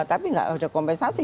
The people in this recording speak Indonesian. tapi nggak ada kompensasi